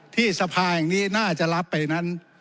ที่สภาแห่งนี้น่าจะรับไปนั้น